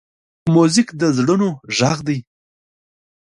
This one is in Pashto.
موزیک د زړونو غږ دی.